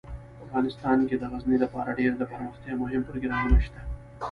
افغانستان کې د غزني لپاره ډیر دپرمختیا مهم پروګرامونه شته دي.